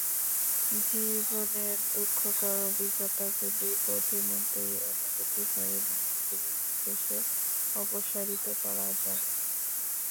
জীবনের দুঃখকর অভিজ্ঞতাগুলি পথিমধ্যেই অনুভূত হয়, এবং ঐগুলি নিঃশেষে অপসারিত করা যায়।